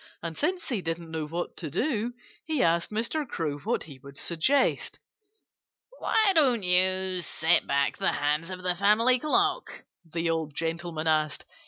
And since he didn't know what to do, he asked Mr. Crow what he would suggest. "Why don't you set back the hands of the family clock?" the old gentleman asked.